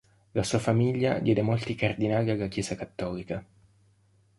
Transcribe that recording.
La sua famiglia diede molti cardinali alla Chiesa cattolica.